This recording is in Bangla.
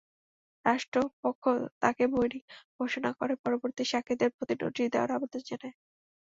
রাষ্ট্রপক্ষ তাকে বৈরী ঘোষণা করে পরবর্তী সাক্ষীদের প্রতি নোটিশ দেওয়ার আবেদন জানায়।